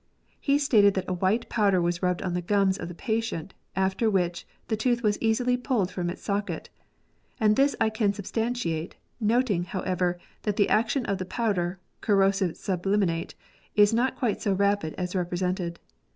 He stated that a white powder was rubbed on the gums of the patient, after which the tooth was easily pulled from its socket; and this I can substantiate, noting, however, that the action of the powder (corrosive sublimate) is not quite so rapid as represented.